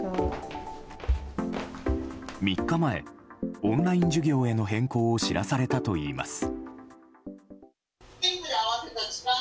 ３日前、オンライン授業への変更を知らされたといいます。